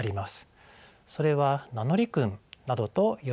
それは名乗り訓などと呼ばれるものです。